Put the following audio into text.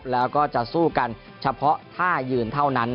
แล้วก็จะสู้กันเฉพาะท่ายืนเท่านั้น